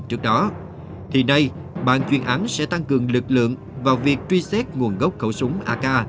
tìm kiếm đó thì nay ban chuyên án sẽ tăng cường lực lượng vào việc truy xét nguồn gốc khẩu súng ak